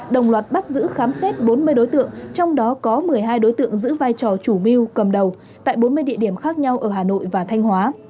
đồng loạt bắt giữ khám xét bốn mươi đối tượng trong đó có một mươi hai đối tượng giữ vai trò chủ mưu cầm đầu tại bốn mươi địa điểm khác nhau ở hà nội và thanh hóa